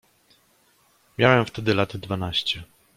"Miałem wtedy lat dwanaście."